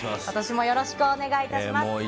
ことしもよろしくお願いいたします。